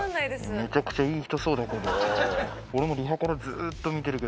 めちゃくちゃいい人そうだけど。